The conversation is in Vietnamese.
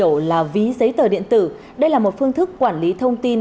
và được hiểu là ví giấy tờ điện tử đây là một phương thức quản lý thông tin